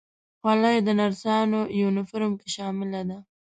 خولۍ د نرسانو یونیفورم کې شامله ده.